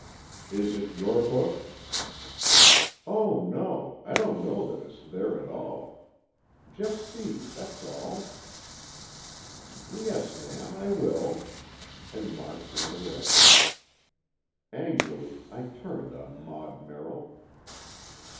"Is it your book?" "Oh, no, I don't know that it's there at all. Just see, that's all." "Yes, ma'am, I will," and March went away. Angrily, I turned on Maud Merrill.